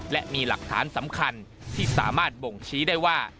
และมีหลักฐานสำคัญที่สามารถบ่งชี้ได้ว่า